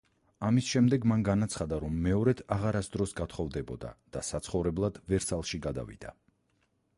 ამის შემდეგ, მან განაცხადა, რომ მეორედ აღარასდროს გათხოვდებოდა და საცხოვრებლად ვერსალში გადავიდა.